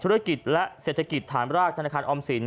ธุรกิจและเศรษฐกิจฐานรากธนาคารออมสิน